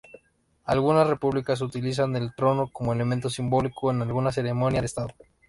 Algunas repúblicas utilizan el trono como elemento simbólico en alguna ceremonia de Estado.